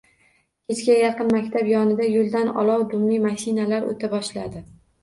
Kechga yaqin maktab yonidagi yoʻldan olov dumli mashinalar oʻta boshladi